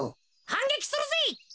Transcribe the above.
はんげきするぜ。